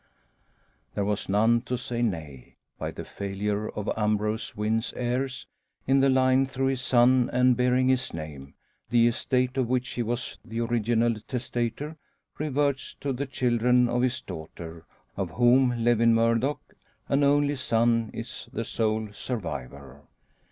There was none to say nay. By the failure of Ambrose Wynn's heirs in the line through his son and bearing his name the estate of which he was the original testator reverts to the children of his daughter, of whom Lewin Murdock, an only son, is the sole survivor.